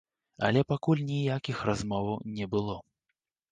Але пакуль ніякіх размоваў не было.